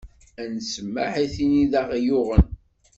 Ad n-smmeḥ i tin i d aɣ-yuɣen.